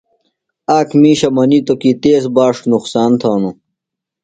آک مِیشہ منِیتوۡ کی تیز باݜ نقصان تھانوۡ۔